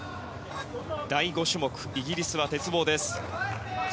第５種目、イギリスは鉄棒です。